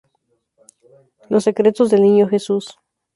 Los secretos del Niño Jesús.